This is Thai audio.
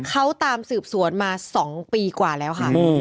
เขาตามสืบสวนมา๒ปีกว่าแล้วค่ะ